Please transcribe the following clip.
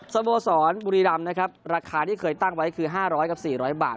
สโมสรบุรีรำนะครับราคาที่เคยตั้งไว้คือ๕๐๐กับ๔๐๐บาท